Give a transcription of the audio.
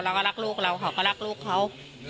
เราก็รักลูกเราเขาก็รักลูกเขา